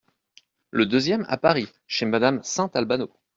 Le deuxième, à Paris, chez madame de Saint-Albano.